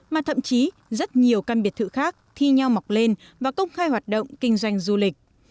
mà thậm chí rất nhiều căn biệt thự khác thi nhau mọc lên và công khai hoạt động kinh doanh du lịch